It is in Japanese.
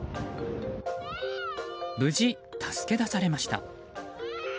無事、助け出されました。